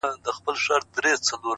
چي يو ځل بيا څوک په واه ،واه سي راته،